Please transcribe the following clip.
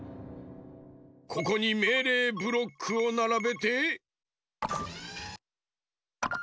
ここにめいれいブロックをならべて。